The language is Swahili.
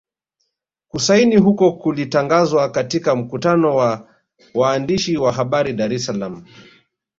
Kusaini huko kulitangazwa katika mkutano wa waandishi wa habari Dar es Salaam